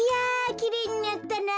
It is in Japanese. きれいになったな。